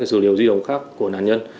các cái dữ liệu di động khác của nạn nhân